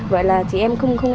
vậy là chị em không e ngại